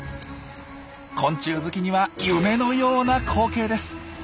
昆虫好きには夢のような光景です。